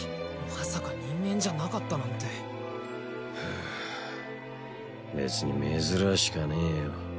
まさか人間じゃなかったなんてフーッ別に珍しかねえよ